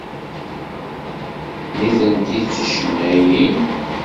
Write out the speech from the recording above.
Nitenti d ticennayin?